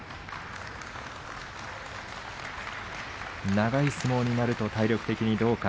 長い相撲になると体力的にどうか。